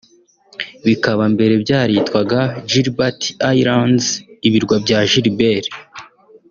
bikaba mbere byaritwaga Gilbert Islands (ibirwa bya Gilbert)